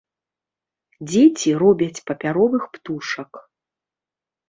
Дзеці робяць папяровых птушак.